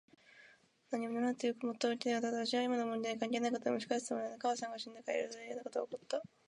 なんにもならぬというよりもっといけないことだ。わしは今の問題に関係ないことをむし返すつもりはない。お母さんが死んでから、いろいろといやなことが起った。